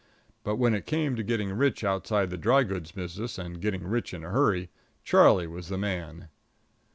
But when it came to getting rich outside the dry goods business and getting rich in a hurry, Charlie was the man.